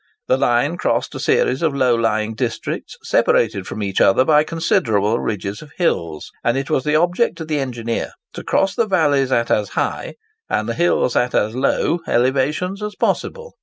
The line crossed a series of low lying districts separated from each other by considerable ridges of hills; and it was the object of the engineer to cross the valleys at as high, and the hills at as low, elevations as possible.